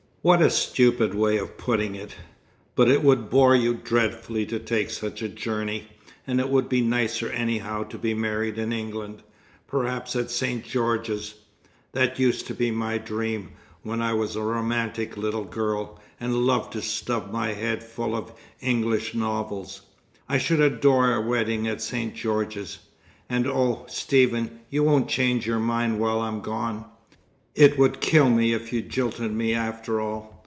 What a stupid way of putting it! But it would bore you dreadfully to take such a journey, and it would be nicer anyhow to be married in England perhaps at St. George's. That used to be my dream, when I was a romantic little girl, and loved to stuff my head full of English novels. I should adore a wedding at St. George's. And oh, Stephen, you won't change your mind while I'm gone? It would kill me if you jilted me after all.